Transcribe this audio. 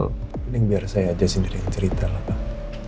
paling biar saya aja sendiri yang cerita lah pak